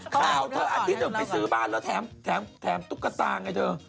เธออันที่หนึ่งไปซื้อบ้านแล้วแถมตุ๊กตาไงเธอ